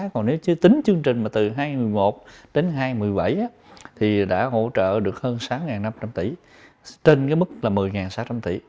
còn nếu chưa tính chương trình mà từ hai nghìn một mươi một đến hai nghìn một mươi bảy thì đã hỗ trợ được hơn sáu năm trăm linh tỷ trên cái mức là một mươi sáu trăm linh tỷ